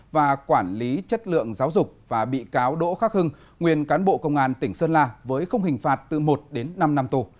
và quản lý chất lượng giáo dục và bị cáo đỗ khắc hưng nguyên cán bộ công an tỉnh sơn la với không hình phạt từ một đến năm năm tù